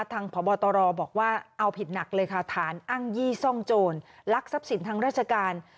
พบตรบอกว่าเอาผิดหนักเลยค่ะฐานอ้างยี่ซ่องโจรลักทรัพย์สินทางราชการ